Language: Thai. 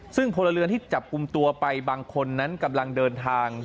ซึ่งพลเรือนที่จับกลุ่มตัวไปบางคนนั้นกำลังเดินทาง